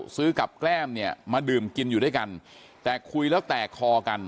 ซื้อกับแก้มเนี่ยมาดื่มกินอยู่ด้วยกันแต่คุยแล้วแตกคอกัน